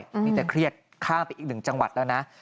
นี่จะเครียดข้ามไปอีกหนึ่งจังหวัดแล้วนะ